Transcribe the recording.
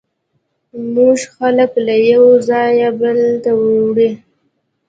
موټر خلک له یوه ځایه بل ته وړي.